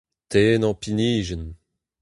Tennañ pinijenn !